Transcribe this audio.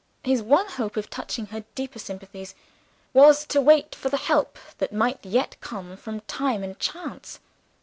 His one hope of touching her deeper sympathies was to wait for the help that might yet come from time and chance.